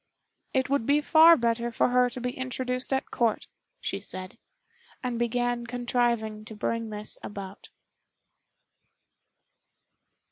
"It would be far better for her to be introduced at Court," she said, and began contriving to bring this about.